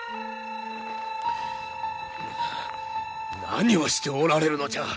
何をしておられるのじゃ？